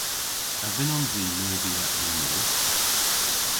A vynnons i neuvya y'n mor?